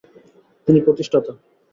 তিনি প্রতিষ্ঠাতা।